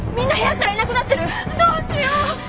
どうしよう！？